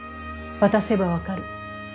渡せば分かる。